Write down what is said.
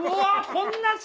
こんな近。